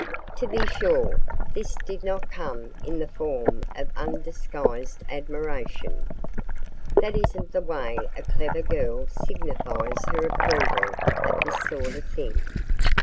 To be sure, this did not come in the form of undisguised admiration. That isn't the way a clever girl signifies her approval of this sort of thing.